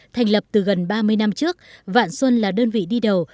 thành lập từ gần ba mươi năm trước vạn xuân là đơn vị đi đầu